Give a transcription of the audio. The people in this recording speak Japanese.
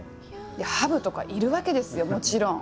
ハブとかいるわけですよもちろん。